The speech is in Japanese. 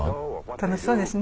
楽しそうですね。